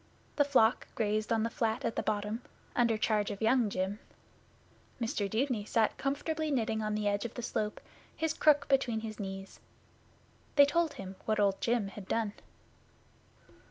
The flock grazed on the flat at the bottom, under charge of Young Jim. Mr Dudeney sat comfortably knitting on the edge of the slope, his crook between his knees. They told him what Old Jim had done.